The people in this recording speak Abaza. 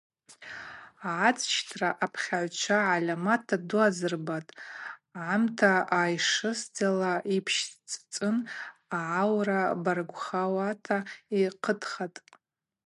Агӏацӏщтра апхьагӏвчва гӏальаматра ду азырбатӏ, гӏамта айшысдзала йпшцӏыцӏын агӏаура баргвхауата йкъытхатӏ.